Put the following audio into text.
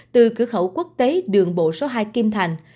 từ cửa khẩu quốc tế đường bộ số hai kim thành